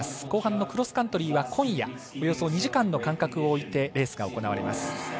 後半のクロスカントリーはこんやおよそ２時間の間隔を置いてレースが行われます。